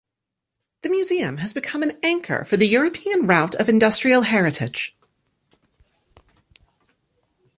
The museum has become an anchor for the European Route of Industrial Heritage.